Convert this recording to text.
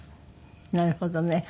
なるほどね。